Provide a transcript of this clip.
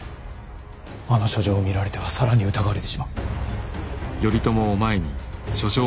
あの書状を見られては更に疑われてしまう。